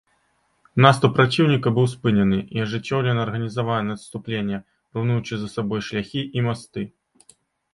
Наступ праціўніка быў спынены і ажыццёўлена арганізаванае адступленне, руйнуючы за сабой шляхі і масты.